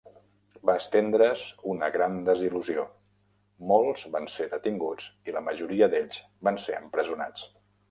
Va estendre's una gran desil·lusió: molts van ser detinguts i la majoria d'ells van ser empresonats.